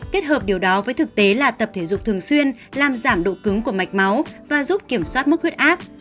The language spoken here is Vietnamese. kết hợp điều đó với thực tế là tập thể dục thường xuyên làm giảm độ cứng của mạch máu và giúp kiểm soát mức huyết áp